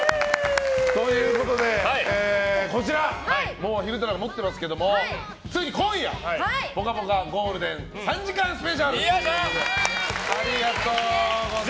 もう昼太郎が持ってますけどもついに今夜「ぽかぽかゴールデン」３時間スペシャルということで。